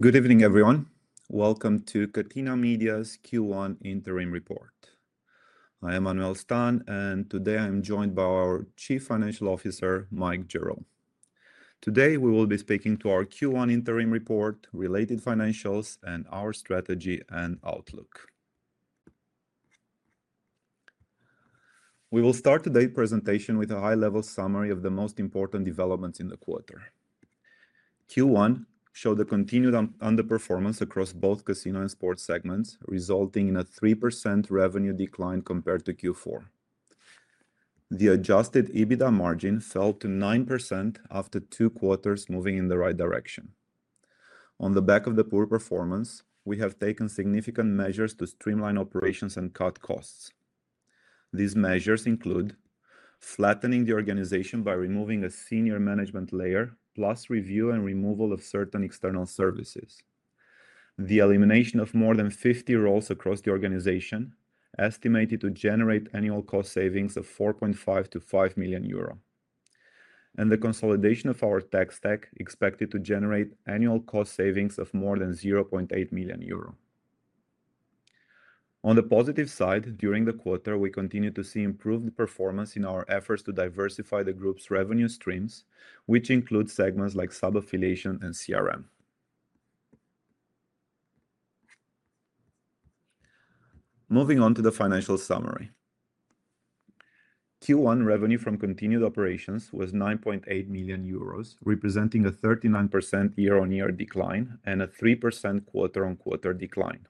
Good evening, everyone. Welcome to Catena Media's Q1 Interim Report. I am Manuel Stan, and today I'm joined by our Chief Financial Officer, Mike Gerrow. Today, we will be speaking to our Q1 Interim Report, related financials, and our strategy and outlook. We will start today's presentation with a high-level summary of the most important developments in the quarter. Q1 showed a continued underperformance across both casino and sports segments, resulting in a 3% revenue decline compared to Q4. The adjusted EBITDA margin fell to 9% after two quarters moving in the right direction. On the back of the poor performance, we have taken significant measures to streamline operations and cut costs. These measures include: flattening the organization by removing a senior management layer, plus review and removal of certain external services, the elimination of more than 50 roles across the organization, estimated to generate annual cost savings of 4.5 million-5 million euro, and the consolidation of our tech stack, expected to generate annual cost savings of more than 0.8 million euro. On the positive side, during the quarter, we continue to see improved performance in our efforts to diversify the group's revenue streams, which include segments like sub-affiliation and CRM. Moving on to the financial summary. Q1 revenue from continued operations was 9.8 million euros, representing a 39% year-on-year decline and a 3% quarter-on-quarter decline.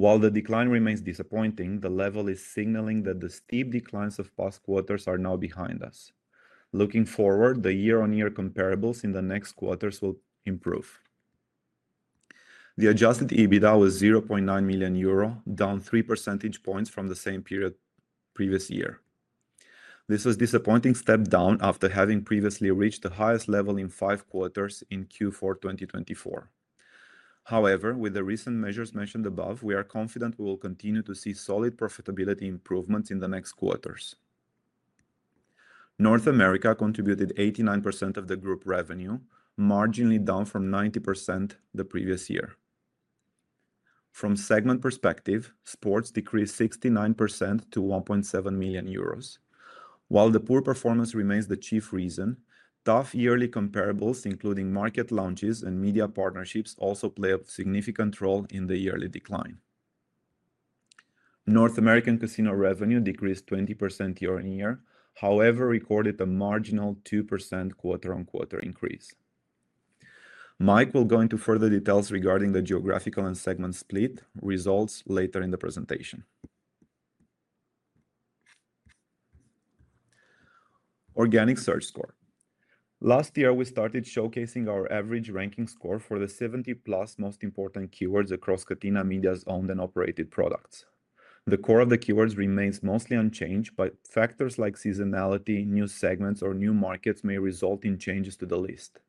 While the decline remains disappointing, the level is signaling that the steep declines of past quarters are now behind us. Looking forward, the year-on-year comparables in the next quarters will improve. The adjusted EBITDA was 0.9 million euro, down three percentage points from the same period previous year. This was a disappointing step down after having previously reached the highest level in five quarters in Q4 2024. However, with the recent measures mentioned above, we are confident we will continue to see solid profitability improvements in the next quarters. North America contributed 89% of the group revenue, marginally down from 90% the previous year. From a segment perspective, sports decreased 69% to 1.7 million euros. While the poor performance remains the chief reason, tough yearly comparables, including market launches and media partnerships, also play a significant role in the yearly decline. North American casino revenue decreased 20% year-on-year, however, recorded a marginal 2% quarter-on-quarter increase. Mike will go into further details regarding the geographical and segment split results later in the presentation. Organic Search Score. Last year, we started showcasing our average ranking score for the 70+ most important keywords across Catena Media's owned and operated products. The core of the keywords remains mostly unchanged, but factors like seasonality, new segments, or new markets may result in changes to the list.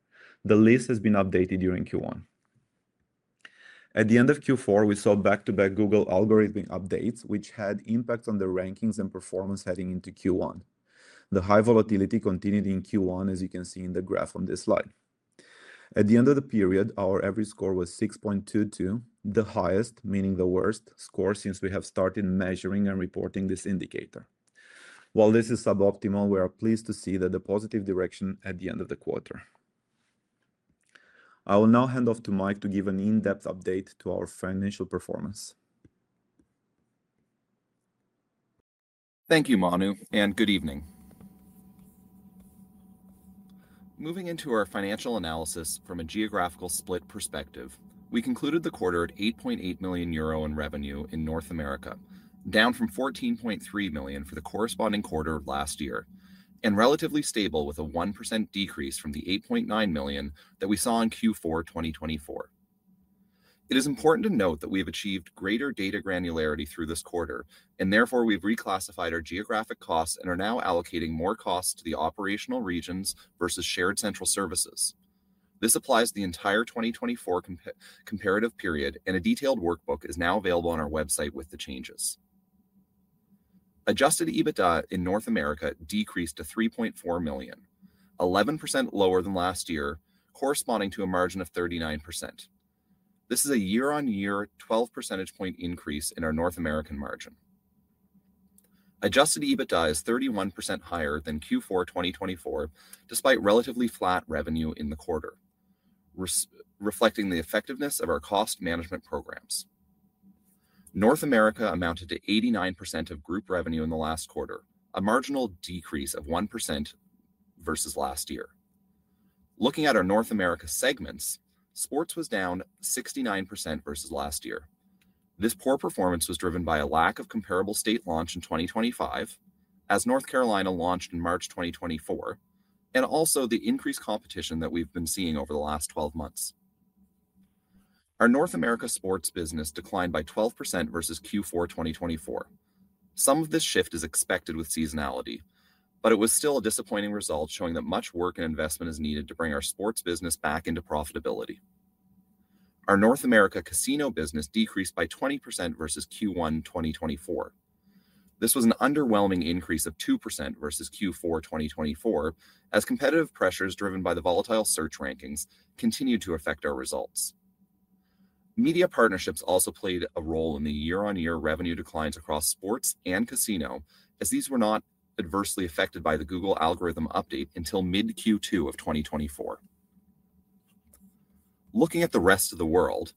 The list has been updated during Q1. At the end of Q4, we saw back-to-back Google algorithmic updates, which had impacts on the rankings and performance heading into Q1. The high volatility continued in Q1, as you can see in the graph on this slide. At the end of the period, our average score was 6.22, the highest, meaning the worst score since we have started measuring and reporting this indicator. While this is suboptimal, we are pleased to see the positive direction at the end of the quarter. I will now hand off to Mike to give an in-depth update to our financial performance. Thank you, Manu, and good evening. Moving into our financial analysis from a geographical split perspective, we concluded the quarter at 8.8 million euro in revenue in North America, down from 14.3 million for the corresponding quarter of last year, and relatively stable with a 1% decrease from the 8.9 million that we saw in Q4 2024. It is important to note that we have achieved greater data granularity through this quarter, and therefore we have reclassified our geographic costs and are now allocating more costs to the operational regions versus shared central services. This applies to the entire 2024 comparative period, and a detailed workbook is now available on our website with the changes. Adjusted EBITDA in North America decreased to 3.4 million, 11% lower than last year, corresponding to a margin of 39%. This is a year-on-year 12 percentage point increase in our North American margin. Adjusted EBITDA is 31% higher than Q4 2024, despite relatively flat revenue in the quarter, reflecting the effectiveness of our cost management programs. North America amounted to 89% of group revenue in the last quarter, a marginal decrease of 1% versus last year. Looking at our North America segments, sports was down 69% versus last year. This poor performance was driven by a lack of comparable state launch in 2025, as North Carolina launched in March 2024, and also the increased competition that we've been seeing over the last 12 months. Our North America sports business declined by 12% versus Q4 2024. Some of this shift is expected with seasonality, but it was still a disappointing result, showing that much work and investment is needed to bring our sports business back into profitability. Our North America casino business decreased by 20% versus Q1 2024. This was an underwhelming increase of 2% versus Q4 2024, as competitive pressures driven by the volatile search rankings continued to affect our results. Media partnerships also played a role in the year-on-year revenue declines across sports and casino, as these were not adversely affected by the Google algorithm update until mid-Q2 of 2024. Looking at the rest of the world,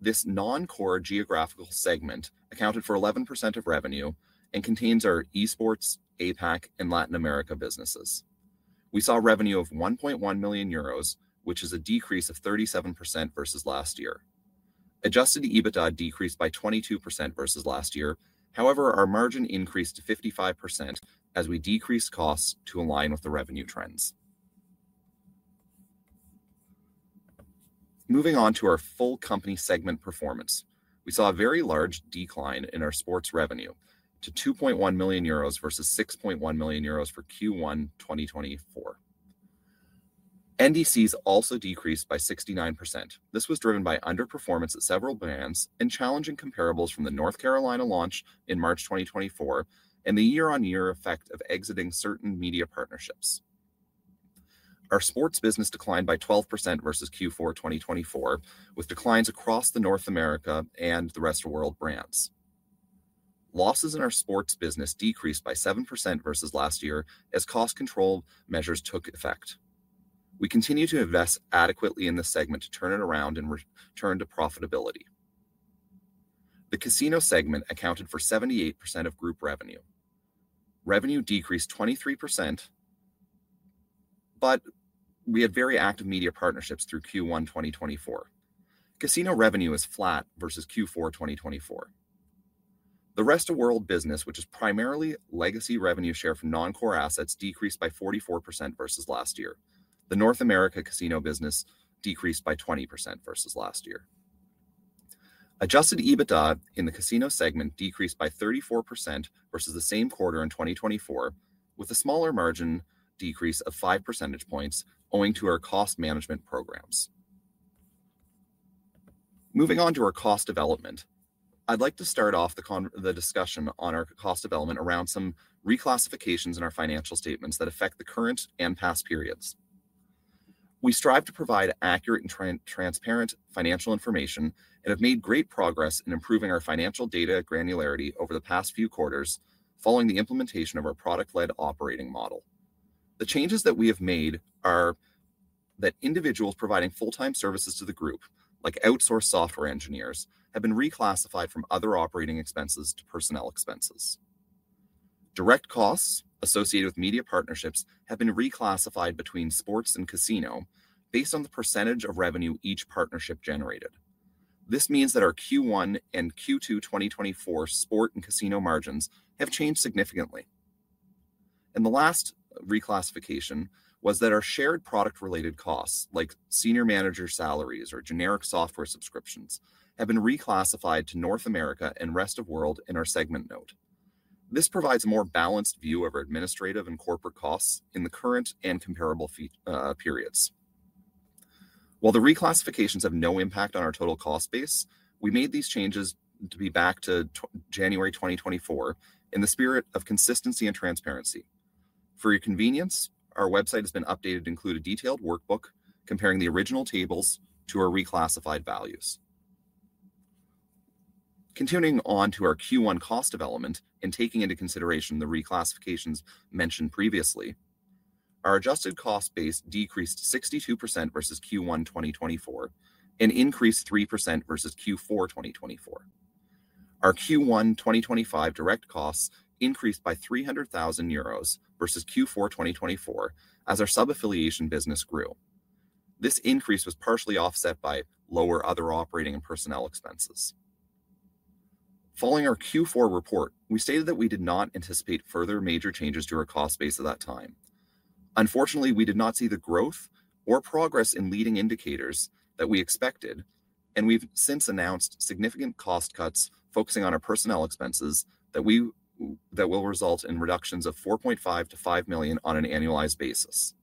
this non-core geographical segment accounted for 11% of revenue and contains our esports, APAC, and Latin America businesses. We saw revenue of 1.1 million euros, which is a decrease of 37% versus last year. Adjusted EBITDA decreased by 22% versus last year. However, our margin increased to 55% as we decreased costs to align with the revenue trends. Moving on to our full company segment performance, we saw a very large decline in our sports revenue to 2.1 million euros versus 6.1 million euros for Q1 2024. NDCs also decreased by 69%. This was driven by underperformance at several brands and challenging comparables from the North Carolina launch in March 2024 and the year-on-year effect of exiting certain media partnerships. Our sports business declined by 12% versus Q4 2024, with declines across the North America and the rest of the world brands. Losses in our sports business decreased by 7% versus last year as cost control measures took effect. We continue to invest adequately in the segment to turn it around and return to profitability. The casino segment accounted for 78% of group revenue. Revenue decreased 23%, but we had very active media partnerships through Q1 2024. Casino revenue is flat versus Q4 2024. The rest of the world business, which is primarily legacy revenue share from non-core assets, decreased by 44% versus last year. The North America casino business decreased by 20% versus last year. Adjusted EBITDA in the casino segment decreased by 34% versus the same quarter in 2024, with a smaller margin decrease of five percentage points owing to our cost management programs. Moving on to our cost development, I'd like to start off the discussion on our cost development around some reclassifications in our financial statements that affect the current and past periods. We strive to provide accurate and transparent financial information and have made great progress in improving our financial data granularity over the past few quarters following the implementation of our product-led operating model. The changes that we have made are that individuals providing full-time services to the group, like outsourced software engineers, have been reclassified from other operating expenses to personnel expenses. Direct costs associated with media partnerships have been reclassified between sports and casino based on the percentage of revenue each partnership generated. This means that our Q1 and Q2 2024 sport and casino margins have changed significantly. The last reclassification was that our shared product-related costs, like senior manager salaries or generic software subscriptions, have been reclassified to North America and rest of world in our segment note. This provides a more balanced view of our administrative and corporate costs in the current and comparable periods. While the reclassifications have no impact on our total cost base, we made these changes to be back to January 2024 in the spirit of consistency and transparency. For your convenience, our website has been updated to include a detailed workbook comparing the original tables to our reclassified values. Continuing on to our Q1 cost development and taking into consideration the reclassifications mentioned previously, our adjusted cost base decreased 62% versus Q1 2024 and increased 3% versus Q4 2024. Our Q1 2025 direct costs increased by 300,000 euros versus Q4 2024 as our sub-affiliation business grew. This increase was partially offset by lower other operating and personnel expenses. Following our Q4 report, we stated that we did not anticipate further major changes to our cost base at that time. Unfortunately, we did not see the growth or progress in leading indicators that we expected, and we've since announced significant cost cuts focusing on our personnel expenses that will result in reductions of 4.5 million-5 million on an annualized basis.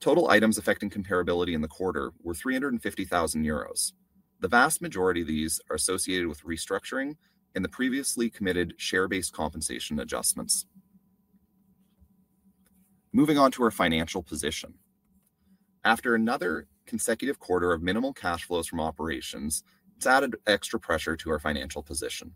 Total items affecting comparability in the quarter were 350,000 euros. The vast majority of these are associated with restructuring and the previously committed share-based compensation adjustments. Moving on to our financial position. After another consecutive quarter of minimal cash flows from operations, this added extra pressure to our financial position.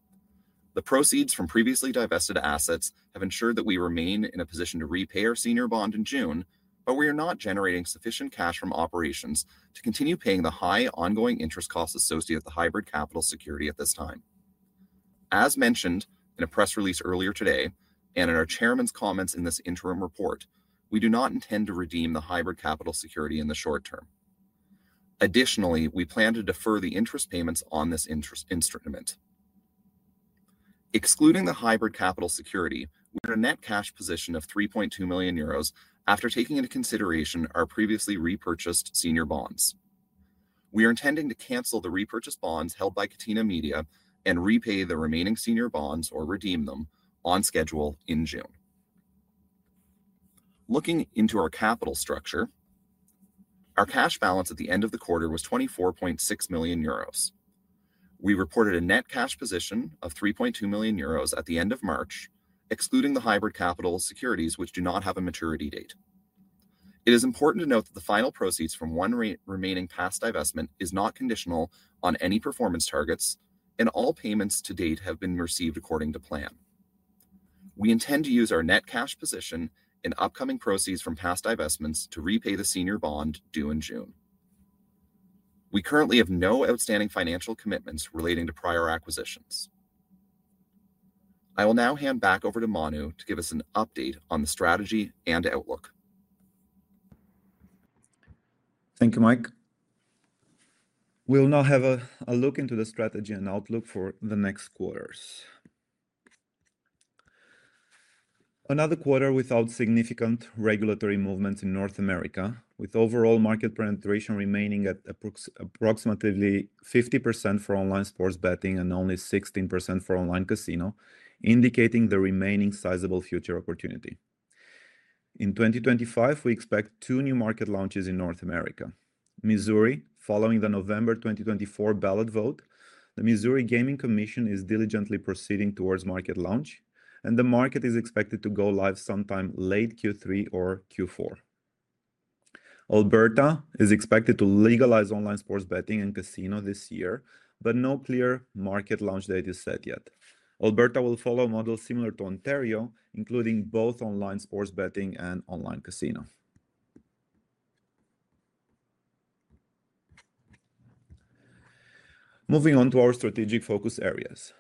The proceeds from previously divested assets have ensured that we remain in a position to repay our senior bond in June, but we are not generating sufficient cash from operations to continue paying the high ongoing interest costs associated with the hybrid capital security at this time. As mentioned in a press release earlier today and in our Chairman's comments in this interim report, we do not intend to redeem the hybrid capital security in the short term. Additionally, we plan to defer the interest payments on this instrument. Excluding the hybrid capital security, we have a net cash position of 3.2 million euros after taking into consideration our previously repurchased senior bonds. We are intending to cancel the repurchased bonds held by Catena Media and repay the remaining senior bonds or redeem them on schedule in June. Looking into our capital structure, our cash balance at the end of the quarter was 24.6 million euros. We reported a net cash position of 3.2 million euros at the end of March, excluding the hybrid capital securities, which do not have a maturity date. It is important to note that the final proceeds from one remaining past divestment is not conditional on any performance targets, and all payments to date have been received according to plan. We intend to use our net cash position and upcoming proceeds from past divestments to repay the senior bond due in June. We currently have no outstanding financial commitments relating to prior acquisitions. I will now hand back over to Manu to give us an update on the strategy and outlook. Thank you, Mike. We'll now have a look into the strategy and outlook for the next quarters. Another quarter without significant regulatory movements in North America, with overall market penetration remaining at approximately 50% for online sports betting and only 16% for online casino, indicating the remaining sizable future opportunity. In 2025, we expect two new market launches in North America. Missouri, following the November 2024 ballot vote, the Missouri Gaming Commission is diligently proceeding towards market launch, and the market is expected to go live sometime late Q3 or Q4. Alberta is expected to legalize online sports betting and casino this year, but no clear market launch date is set yet. Alberta will follow a model similar to Ontario, including both online sports betting and online casino. Moving on to our strategic focus areas.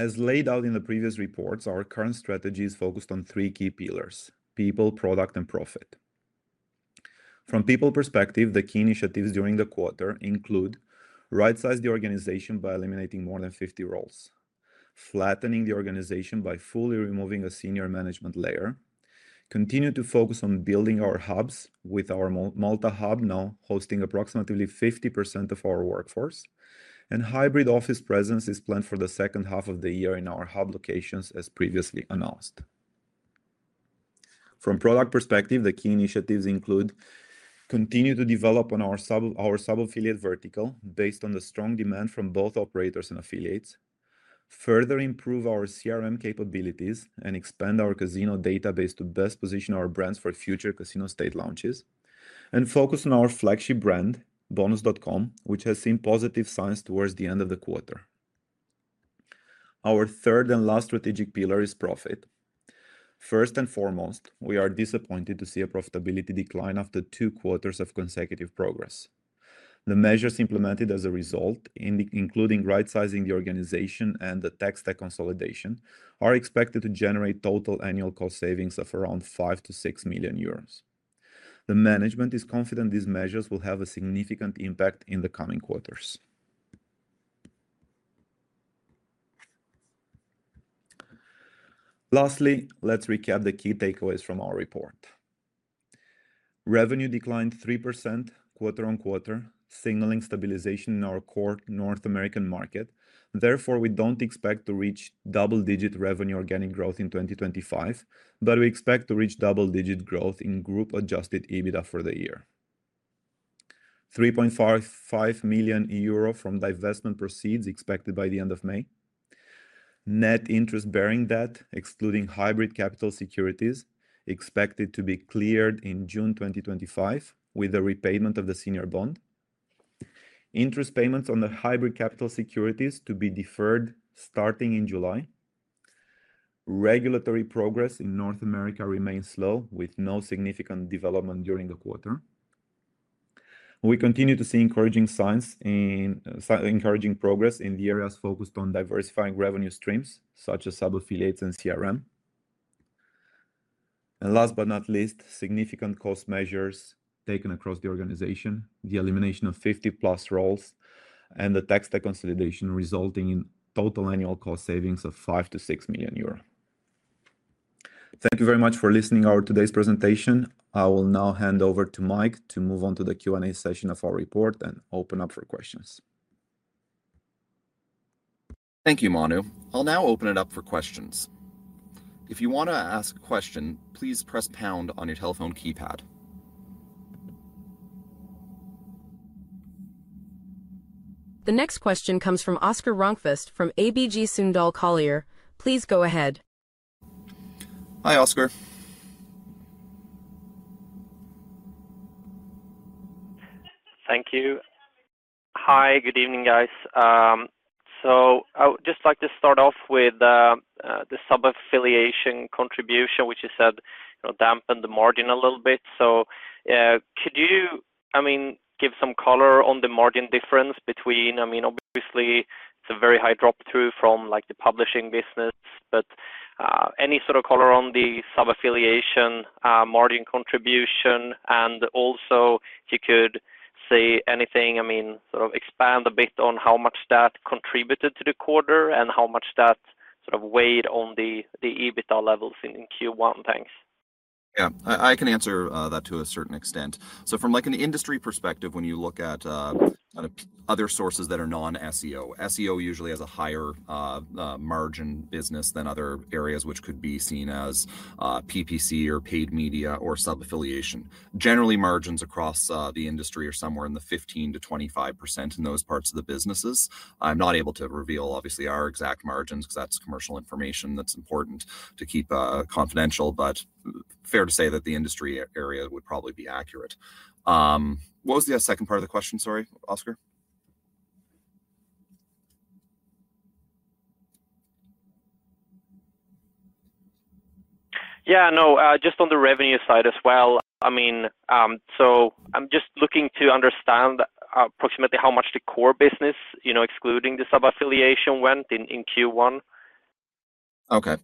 As laid out in the previous reports, our current strategy is focused on three key pillars: people, product, and profit. From a people perspective, the key initiatives during the quarter include right-sizing the organization by eliminating more than 50 roles, flattening the organization by fully removing a senior management layer, continuing to focus on building our hubs with our Malta hub now hosting approximately 50% of our workforce, and hybrid office presence is planned for the second half of the year in our hub locations, as previously announced. From a product perspective, the key initiatives include continuing to develop on our sub-affiliation vertical based on the strong demand from both operators and affiliates, further improving our CRM capabilities and expanding our casino database to best position our brands for future casino state launches, and focusing on our flagship brand, Bonus.com, which has seen positive signs towards the end of the quarter. Our third and last strategic pillar is profit. First and foremost, we are disappointed to see a profitability decline after two quarters of consecutive progress. The measures implemented as a result, including right-sizing the organization and the tech stack consolidation, are expected to generate total annual cost savings of 5 million-6 million euros. The management is confident these measures will have a significant impact in the coming quarters. Lastly, let's recap the key takeaways from our report. Revenue declined 3% quarter on quarter, signaling stabilization in our core North American market. Therefore, we don't expect to reach double-digit revenue organic growth in 2025, but we expect to reach double-digit growth in group-adjusted EBITDA for the year. 3.5 million-5 million euro from divestment proceeds expected by the end of May. Net interest-bearing debt, excluding hybrid capital securities, is expected to be cleared in June 2025 with the repayment of the senior bond. Interest payments on the hybrid capital securities are to be deferred starting in July. Regulatory progress in North America remains slow, with no significant development during the quarter. We continue to see encouraging signs in progress in the areas focused on diversifying revenue streams, such as sub-affiliation and CRM. Last but not least, significant cost measures taken across the organization, the elimination of 50+ roles, and the tech stack consolidation resulting in total annual cost savings of 5 million-6 million euro. Thank you very much for listening to our today's presentation. I will now hand over to Mike to move on to the Q&A session of our report and open up for questions. Thank you, Manu. I'll now open it up for questions. If you want to ask a question, please press pound on your telephone keypad. The next question comes from Oscar Rönkqvist from ABG Sundal Collier. Please go ahead. Hi, Oscar. Thank you. Hi, good evening, guys. I would just like to start off with the sub-affiliation contribution, which you said dampened the margin a little bit. Could you, I mean, give some color on the margin difference between? I mean, obviously, it is a very high drop-through from the publishing business, but any sort of color on the sub-affiliation margin contribution? Also, if you could say anything, I mean, sort of expand a bit on how much that contributed to the quarter and how much that sort of weighed on the EBITDA levels in Q1. Thanks. Yeah, I can answer that to a certain extent. From an industry perspective, when you look at other sources that are non-SEO, SEO usually has a higher margin business than other areas, which could be seen as PPC or paid media or sub-affiliation. Generally, margins across the industry are somewhere in the 15%-25% in those parts of the businesses. I'm not able to reveal, obviously, our exact margins because that's commercial information that's important to keep confidential, but fair to say that the industry area would probably be accurate. What was the second part of the question, sorry, Oscar? Yeah, no, just on the revenue side as well. I mean, I'm just looking to understand approximately how much the core business, excluding the sub-affiliation, went in Q1. Okay.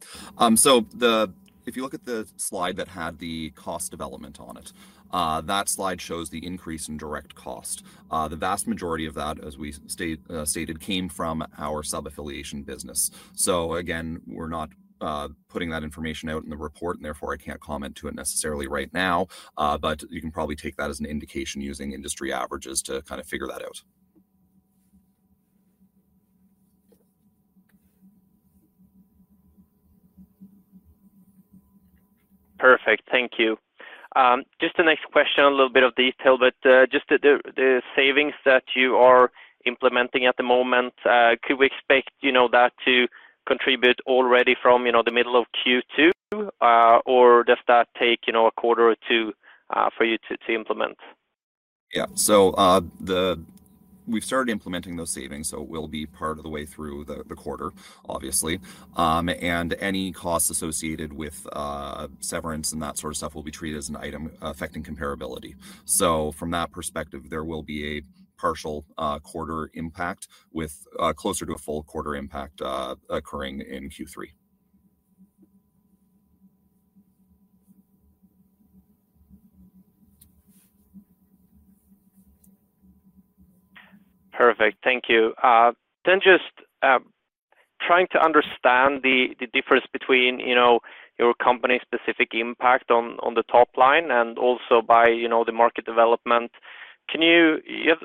If you look at the slide that had the cost development on it, that slide shows the increase in direct cost. The vast majority of that, as we stated, came from our sub-affiliation business. Again, we're not putting that information out in the report, and therefore, I can't comment to it necessarily right now, but you can probably take that as an indication using industry averages to kind of figure that out. Perfect. Thank you. Just the next question, a little bit of detail, but just the savings that you are implementing at the moment, could we expect that to contribute already from the middle of Q2, or does that take a quarter or two for you to implement? Yeah. We have started implementing those savings, so it will be part of the way through the quarter, obviously. Any costs associated with severance and that sort of stuff will be treated as an item affecting comparability. From that perspective, there will be a partial quarter impact with closer to a full quarter impact occurring in Q3. Perfect. Thank you. Just trying to understand the difference between your company-specific impact on the top line and also by the market development. You've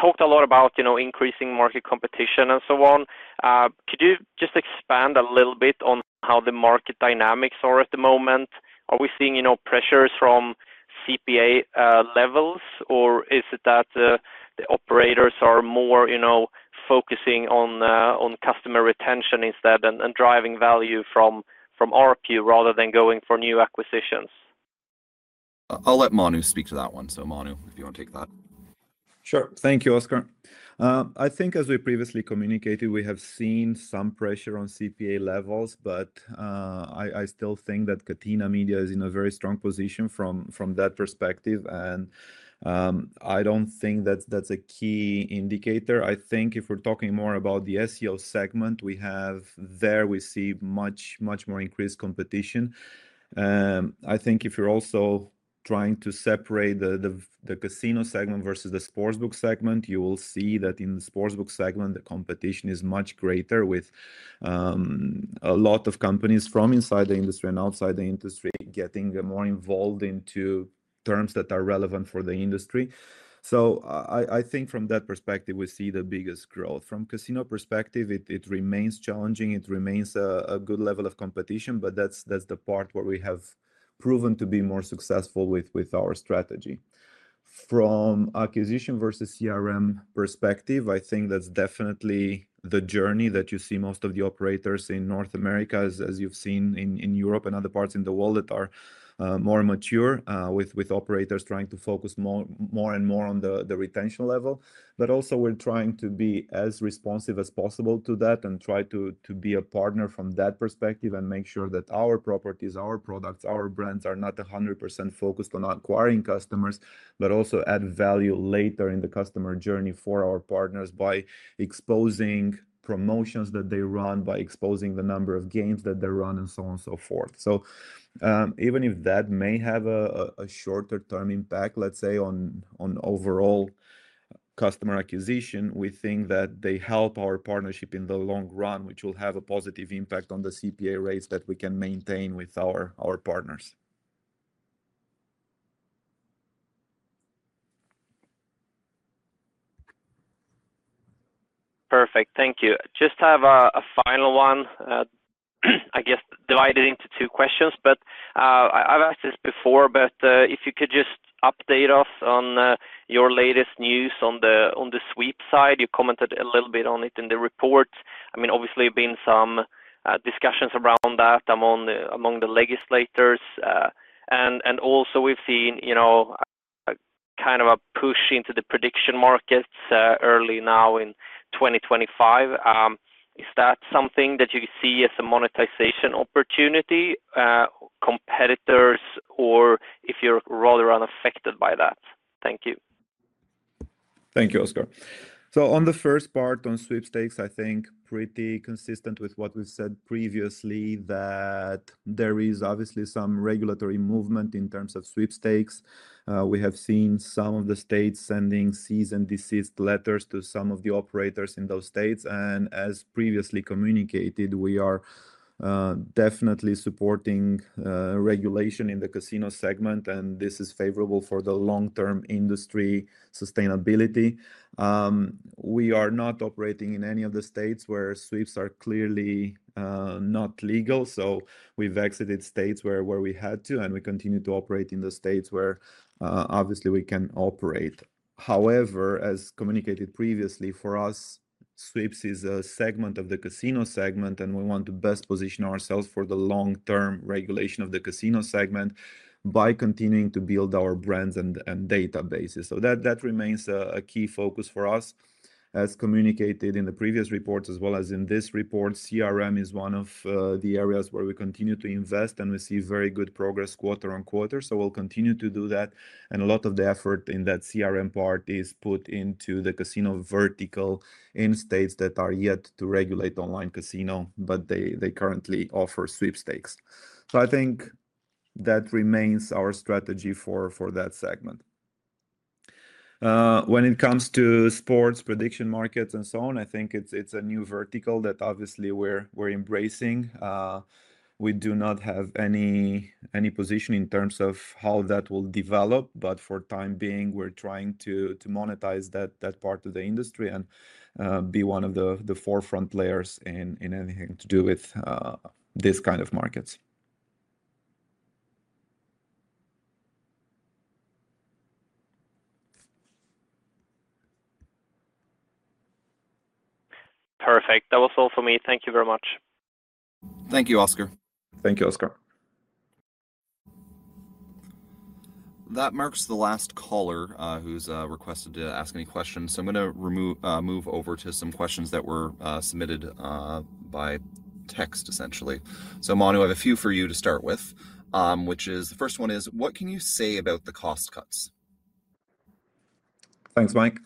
talked a lot about increasing market competition and so on. Could you just expand a little bit on how the market dynamics are at the moment? Are we seeing pressures from CPA levels, or is it that the operators are more focusing on customer retention instead and driving value from RPU rather than going for new acquisitions? I'll let Manu speak to that one. Manu, if you want to take that. Sure. Thank you, Oscar. I think, as we previously communicated, we have seen some pressure on CPA levels, but I still think that Catena Media is in a very strong position from that perspective, and I do not think that is a key indicator. I think if we are talking more about the SEO segment we have there, we see much, much more increased competition. I think if you are also trying to separate the casino segment versus the sportsbook segment, you will see that in the sportsbook segment, the competition is much greater with a lot of companies from inside the industry and outside the industry getting more involved into terms that are relevant for the industry. I think from that perspective, we see the biggest growth. From a casino perspective, it remains challenging. It remains a good level of competition, but that's the part where we have proven to be more successful with our strategy. From acquisition versus CRM perspective, I think that's definitely the journey that you see most of the operators in North America, as you've seen in Europe and other parts in the world that are more mature with operators trying to focus more and more on the retention level. We are also trying to be as responsive as possible to that and try to be a partner from that perspective and make sure that our properties, our products, our brands are not 100% focused on acquiring customers, but also add value later in the customer journey for our partners by exposing promotions that they run, by exposing the number of games that they run, and so on and so forth. Even if that may have a shorter-term impact, let's say, on overall customer acquisition, we think that they help our partnership in the long run, which will have a positive impact on the CPA rates that we can maintain with our partners. Perfect. Thank you. Just have a final one, I guess, divided into two questions, but I've asked this before, but if you could just update us on your latest news on the sweep side. You commented a little bit on it in the report. I mean, obviously, there have been some discussions around that among the legislators. I mean, obviously, we've seen kind of a push into the prediction markets early now in 2025. Is that something that you see as a monetization opportunity, competitors, or if you're rather unaffected by that? Thank you. Thank you, Oscar. On the first part on sweepstakes, I think pretty consistent with what we have said previously that there is obviously some regulatory movement in terms of sweepstakes. We have seen some of the states sending cease-and-desist letters to some of the operators in those states. As previously communicated, we are definitely supporting regulation in the casino segment, and this is favorable for the long-term industry sustainability. We are not operating in any of the states where sweeps are clearly not legal. We have exited states where we had to, and we continue to operate in the states where obviously we can operate. However, as communicated previously, for us, sweeps is a segment of the casino segment, and we want to best position ourselves for the long-term regulation of the casino segment by continuing to build our brands and databases. That remains a key focus for us. As communicated in the previous report as well as in this report, CRM is one of the areas where we continue to invest, and we see very good progress quarter on quarter. We'll continue to do that. A lot of the effort in that CRM part is put into the casino vertical in states that are yet to regulate online casino, but they currently offer sweepstakes. I think that remains our strategy for that segment. When it comes to sports prediction markets and so on, I think it's a new vertical that obviously we're embracing. We do not have any position in terms of how that will develop, but for the time being, we're trying to monetize that part of the industry and be one of the forefront players in anything to do with this kind of markets. Perfect. That was all for me. Thank you very much. Thank you, Oscar. Thank you, Oscar. That marks the last caller who's requested to ask any questions. I'm going to move over to some questions that were submitted by text, essentially. Manu, I have a few for you to start with, which is the first one is, what can you say about the cost cuts? Thanks, Mike.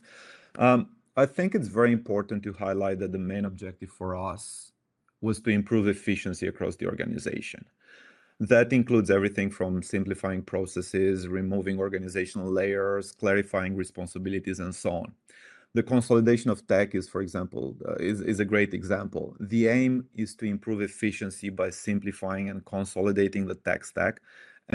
I think it's very important to highlight that the main objective for us was to improve efficiency across the organization. That includes everything from simplifying processes, removing organizational layers, clarifying responsibilities, and so on. The consolidation of tech is, for example, a great example. The aim is to improve efficiency by simplifying and consolidating the tech stack,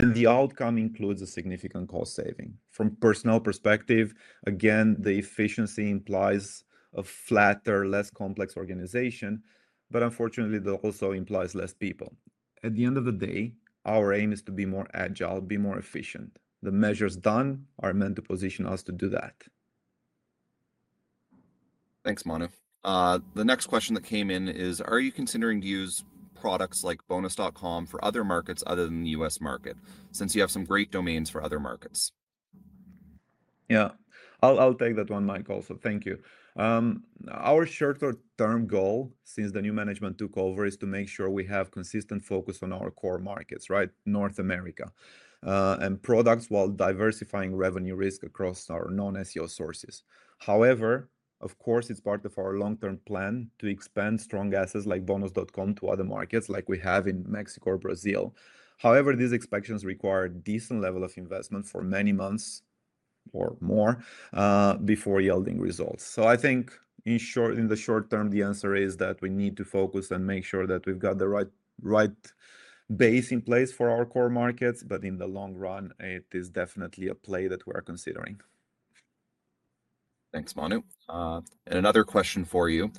and the outcome includes a significant cost saving. From a personal perspective, again, the efficiency implies a flatter, less complex organization, but unfortunately, it also implies less people. At the end of the day, our aim is to be more agile, be more efficient. The measures done are meant to position us to do that. Thanks, Manu. The next question that came in is, are you considering to use products like bonus.com for other markets other than the U.S. market since you have some great domains for other markets? Yeah, I'll take that one, Mike, also. Thank you. Our shorter-term goal since the new management took over is to make sure we have consistent focus on our core markets, right, North America, and products while diversifying revenue risk across our non-SEO sources. However, of course, it's part of our long-term plan to expand strong assets like bonus.com to other markets like we have in Mexico or Brazil. However, these expectations require a decent level of investment for many months or more before yielding results. I think in the short term, the answer is that we need to focus and make sure that we've got the right base in place for our core markets, but in the long run, it is definitely a play that we're considering. Thanks, Manu. Another question for you.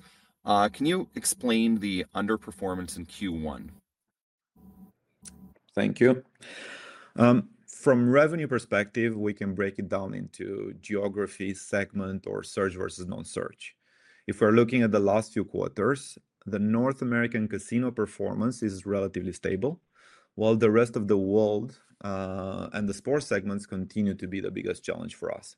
Can you explain the underperformance in Q1? Thank you. From a revenue perspective, we can break it down into geography, segment, or search versus non-search. If we're looking at the last few quarters, the North American casino performance is relatively stable, while the rest of the world and the sports segments continue to be the biggest challenge for us.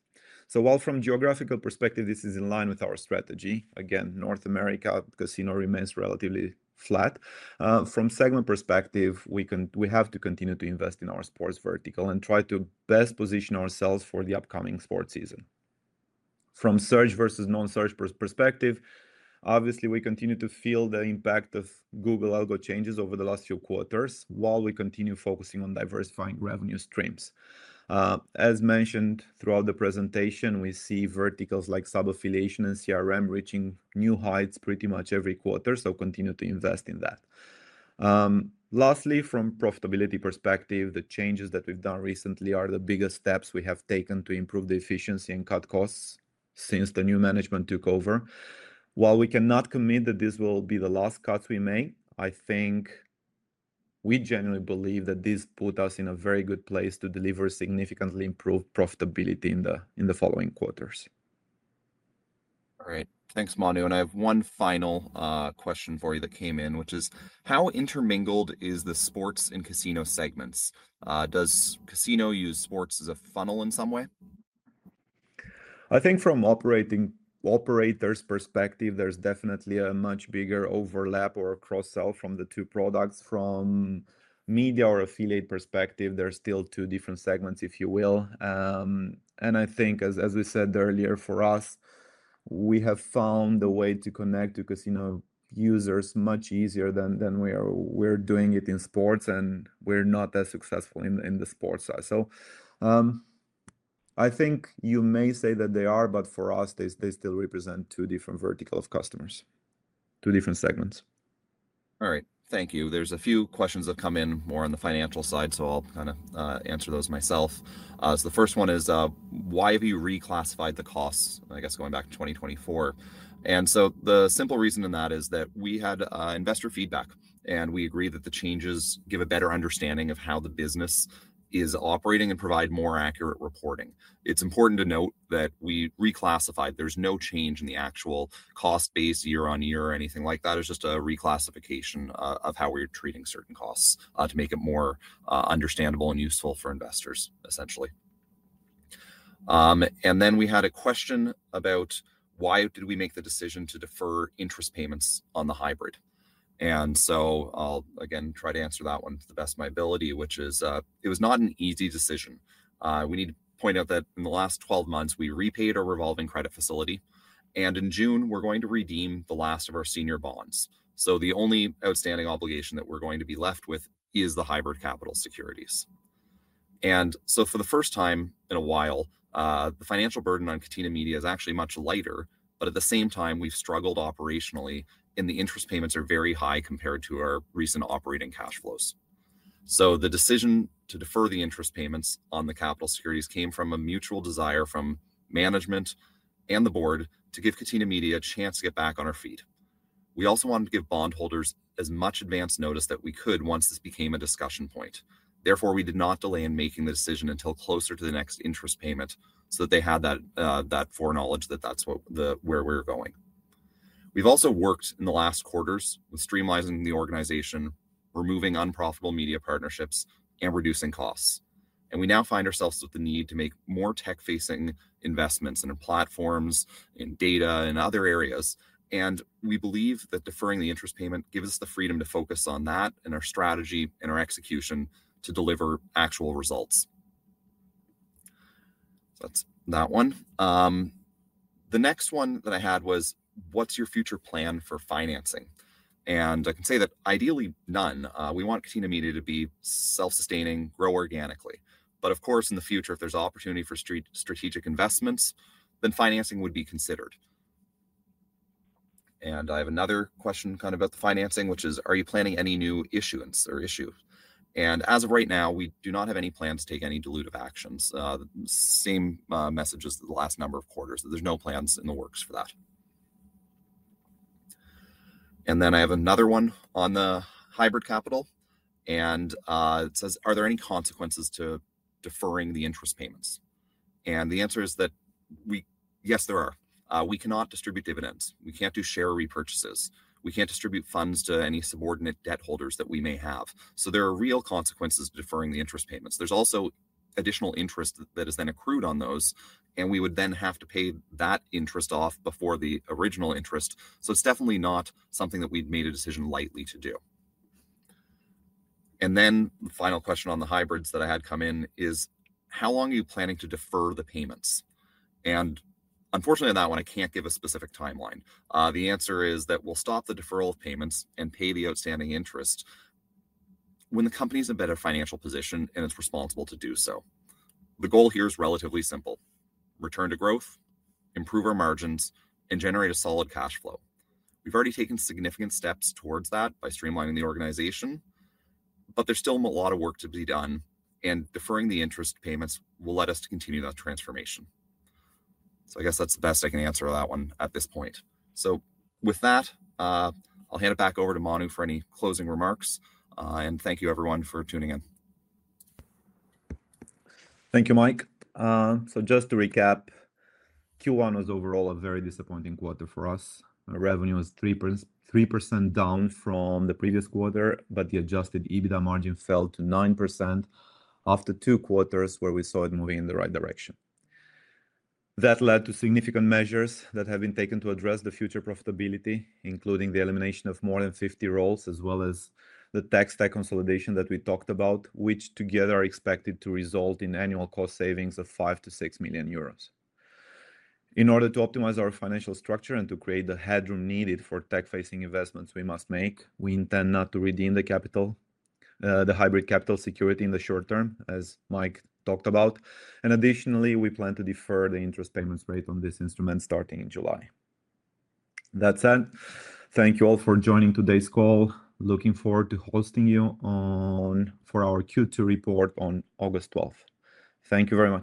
While from a geographical perspective, this is in line with our strategy, again, North America casino remains relatively flat. From a segment perspective, we have to continue to invest in our sports vertical and try to best position ourselves for the upcoming sports season. From a search versus non-search perspective, obviously, we continue to feel the impact of Google Algo changes over the last few quarters while we continue focusing on diversifying revenue streams. As mentioned throughout the presentation, we see verticals like sub-affiliation and CRM reaching new heights pretty much every quarter, so continue to invest in that. Lastly, from a profitability perspective, the changes that we've done recently are the biggest steps we have taken to improve the efficiency and cut costs since the new management took over. While we cannot commit that this will be the last cuts we make, I think we genuinely believe that this put us in a very good place to deliver significantly improved profitability in the following quarters. All right. Thanks, Manu. I have one final question for you that came in, which is, how intermingled are the sports and casino segments? Does casino use sports as a funnel in some way? I think from an operator's perspective, there's definitely a much bigger overlap or cross-sell from the two products. From a media or affiliate perspective, there are still two different segments, if you will. I think, as we said earlier, for us, we have found a way to connect to casino users much easier than we're doing it in sports, and we're not as successful in the sports side. I think you may say that they are, but for us, they still represent two different verticals of customers, two different segments. All right. Thank you. There are a few questions that come in more on the financial side, so I'll kind of answer those myself. The first one is, why have you reclassified the costs, I guess, going back to 2024? The simple reason in that is that we had investor feedback, and we agreed that the changes give a better understanding of how the business is operating and provide more accurate reporting. It is important to note that we reclassified. There is no change in the actual cost base year-on-year or anything like that. It is just a reclassification of how we are treating certain costs to make it more understandable and useful for investors, essentially. We had a question about why did we make the decision to defer interest payments on the hybrid. I'll again try to answer that one to the best of my ability, which is it was not an easy decision. We need to point out that in the last 12 months, we repaid our revolving credit facility, and in June, we are going to redeem the last of our senior bonds. The only outstanding obligation that we are going to be left with is the hybrid capital securities. For the first time in a while, the financial burden on Catena Media is actually much lighter. At the same time, we have struggled operationally and the interest payments are very high compared to our recent operating cash flows. The decision to defer the interest payments on the capital securities came from a mutual desire from management and the board to give Catena Media a chance to get back on our feet. We also wanted to give bondholders as much advance notice that we could once this became a discussion point. Therefore, we did not delay in making the decision until closer to the next interest payment so that they had that foreknowledge that that's where we're going. We have also worked in the last quarters with streamlining the organization, removing unprofitable media partnerships, and reducing costs. We now find ourselves with the need to make more tech-facing investments in our platforms, in data, in other areas. We believe that deferring the interest payment gives us the freedom to focus on that and our strategy and our execution to deliver actual results. That is that one. The next one that I had was, what's your future plan for financing? I can say that ideally, none. We want Catena Media to be self-sustaining, grow organically. Of course, in the future, if there's opportunity for strategic investments, then financing would be considered. I have another question kind of about the financing, which is, are you planning any new issuance or issue? As of right now, we do not have any plans to take any dilutive actions. Same message as the last number of quarters, that there's no plans in the works for that. I have another one on the hybrid capital, and it says, are there any consequences to deferring the interest payments? The answer is that, yes, there are. We cannot distribute dividends. We can't do share repurchases. We can't distribute funds to any subordinate debt holders that we may have. There are real consequences to deferring the interest payments. is also additional interest that is then accrued on those, and we would then have to pay that interest off before the original interest. It is definitely not something that we have made a decision lightly to do. The final question on the hybrids that I had come in is, how long are you planning to defer the payments? Unfortunately, on that one, I cannot give a specific timeline. The answer is that we will stop the deferral of payments and pay the outstanding interest when the company is in a better financial position and is responsible to do so. The goal here is relatively simple: return to growth, improve our margins, and generate a solid cash flow. We've already taken significant steps towards that by streamlining the organization, but there's still a lot of work to be done, and deferring the interest payments will let us continue that transformation. I guess that's the best I can answer that one at this point. With that, I'll hand it back over to Manu for any closing remarks, and thank you, everyone, for tuning in. Thank you, Mike. Just to recap, Q1 was overall a very disappointing quarter for us. Revenue was 3% down from the previous quarter, but the adjusted EBITDA margin fell to 9% after two quarters where we saw it moving in the right direction. That led to significant measures that have been taken to address the future profitability, including the elimination of more than 50 roles, as well as the tech stack consolidation that we talked about, which together are expected to result in annual cost savings of 5 million-6 million euros. In order to optimize our financial structure and to create the headroom needed for tech-facing investments we must make, we intend not to redeem the hybrid capital security in the short term, as Mike talked about. Additionally, we plan to defer the interest payments rate on this instrument starting in July. That said, thank you all for joining today's call. Looking forward to hosting you for our Q2 report on August 12th. Thank you very much.